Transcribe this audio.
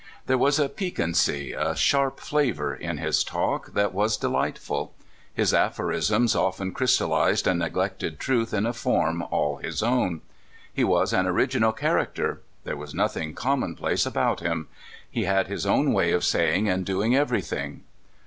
There was a piquancy, a sharp flavor, in his talk that was delightful. His aphorisms often crystallized a neg lected truth in a form all his own. He was an original character. There was nothinor common place about him. He had his own way of sa3^ing and doing everything.